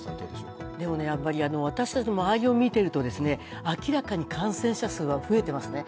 でも、私たちの周りを見ていると、明らかに感染者数は増えていますね。